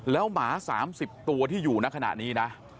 แล้วหมา๓๐ตัวที่อยู่ในขณะนี้นะ